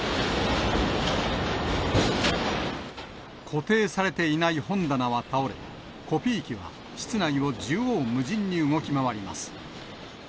固定されていない本棚は倒れ、コピー機は室内を縦横無尽に動き回ります。